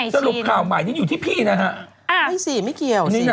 สรุปข่าวใหม่นี้อยู่ที่พี่นะฮะไม่สิไม่เกี่ยว